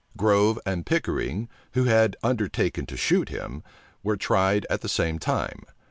Grove and Pickering, who had undertaken to shoot him, were tried at the same time.